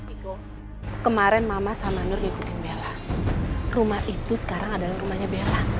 itu kemarin mama sama nur ngikutin bella rumah itu sekarang adalah rumahnya bella